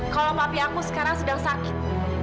kalau mapi aku sekarang sedang sakit